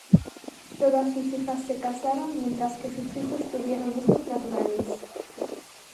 Todas sus hijas se casaron, mientras que sus hijos tuvieron hijos naturales.